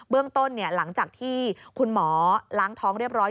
เรื่องต้นหลังจากที่คุณหมอล้างท้องเรียบร้อย